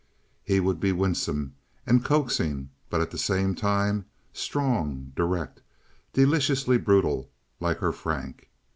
He would be winsome and coaxing, but at the same time strong, direct, deliciously brutal, like her Frank.